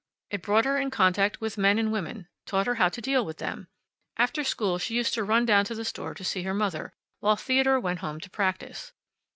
It brought her in contact with men and women, taught her how to deal with them. After school she used often to run down to the store to see her mother, while Theodore went home to practice.